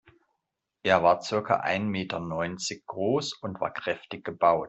Er war circa ein Meter neunzig groß und war kräftig gebaut.